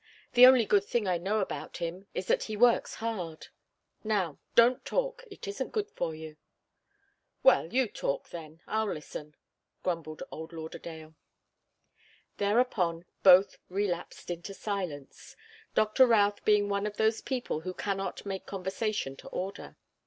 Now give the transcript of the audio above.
The only good thing I know about him is that he works hard. Now don't talk. It isn't good for you." "Well you talk, then. I'll listen," grumbled old Lauderdale. Thereupon both relapsed into silence, Doctor Routh being one of those people who cannot make conversation to order.